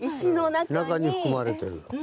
中に含まれてる。